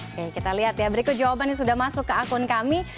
oke kita lihat ya berikut jawaban yang sudah masuk ke akun kami